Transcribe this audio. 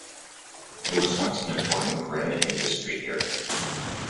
There was once an important granite industry here.